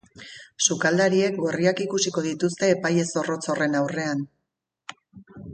Sukaldariek gorriak ikusiko dituzte epaile zorrotz horren aurrean.